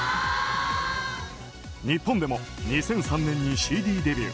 日本でも２００３年にＣＤデビュー。